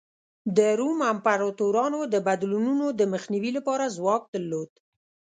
د روم امپراتورانو د بدلونونو د مخنیوي لپاره ځواک درلود.